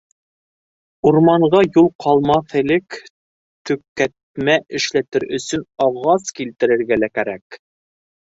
Урманға юл ҡалмаҫ элек төкәтмә эшләтер өсөн ағас килтерергә лә кәрәк.